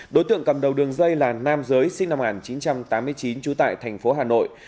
đối tượng cầm đầu đường dây là nam giới sinh năm một nghìn chín trăm tám mươi chín trú tại thành phố hà nội